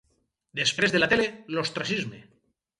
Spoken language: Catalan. Després de la tele, l'ostracisme.